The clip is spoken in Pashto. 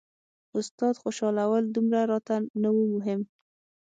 استاد خوشحالول دومره راته نه وو مهم.